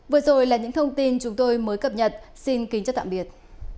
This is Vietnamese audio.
vừa rồi là những thông tin chúng tôi mới cập nhật xin kính chào tạm biệt